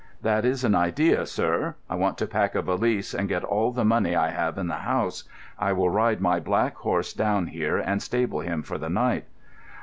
"That is an idea, sir. I want to pack a valise, and get all the money I have in the house. I will ride my black horse down here and stable him for the night."